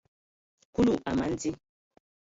Kulu a mana di.